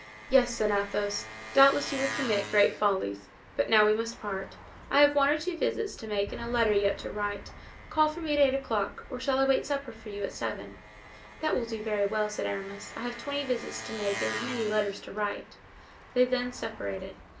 "Yes," said Athos, "doubtless you would commit great follies! But now we must part. I have one or two visits to make and a letter yet to write. Call for me at eight o'clock or shall I wait supper for you at seven?" "That will do very well," said Aramis. "I have twenty visits to make and as many letters to write." They then separated.